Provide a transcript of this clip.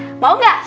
wah mau gak